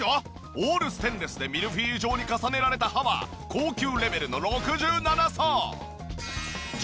オールステンレスでミルフィーユ状に重ねられた刃は高級レベルの６７層！